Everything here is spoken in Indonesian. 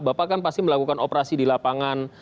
bapak kan pasti melakukan operasi di lapangan